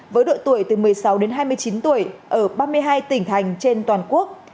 với độ tuổi từ một mươi sáu đến hai mươi chín tuổi ở ba mươi hai tỉnh thành trên toàn quốc